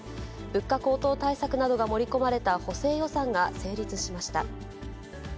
物価高騰対策などが盛り込まれた補正予算が成立しました。